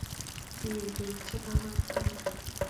কী ঢুকছে না মাথায়?